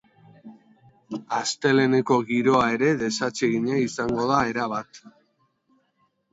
Asteleheneko giroa ere desatsegina izango da erabat.